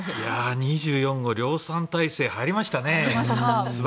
２４号量産体制入りましたね。